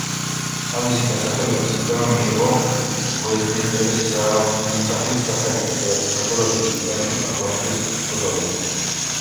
თავისი დასახელება სისტემამ მიიღო უესტმინსტერის სასახლის სახელიდან, სადაც იმართება დიდი ბრიტანეთის პარლამენტის სხდომები.